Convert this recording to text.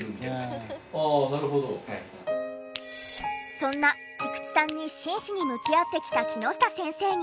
そんな菊池さんに真摯に向き合ってきた木下先生に。